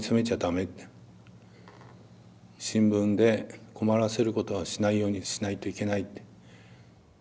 「新聞で困らせることはしないようにしないといけない」って。